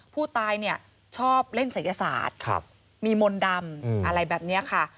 ผู้ตายเนี่ยชอบเล่นศัยศาสตร์มีมนต์ดำอะไรแบบนี้ค่ะ